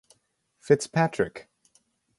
Fitzpatrick.